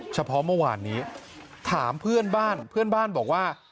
เฉพาะเมื่อวานนี้ถามเพื่อนบ้านเพื่อนบ้านบอกว่า